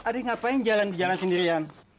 adik ngapain jalan jalan sendirian